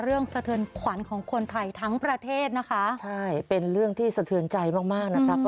สะเทือนขวัญของคนไทยทั้งประเทศนะคะใช่เป็นเรื่องที่สะเทือนใจมากมากนะครับ